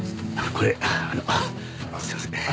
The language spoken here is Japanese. これあのすいません。